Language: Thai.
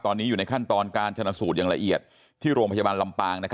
ตอนนี้อยู่ในขั้นตอนการชนะสูตรอย่างละเอียดที่โรงพยาบาลลำปาง